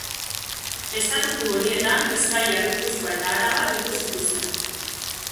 Estatutu horietan Bizkaia, Gipuzkoa eta Araba bildu zituzten.